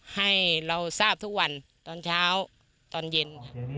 ให้เราทราบทุกวันตอนเช้าตอนเย็น